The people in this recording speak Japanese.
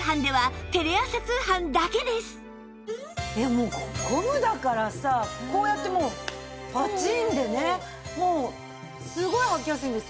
もうゴムだからさこうやってもうパチンでねすごい履きやすいんです。